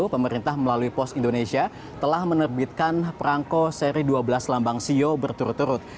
pemerintah melalui pos indonesia telah menerbitkan perangko seri dua belas lambang sio berturut turut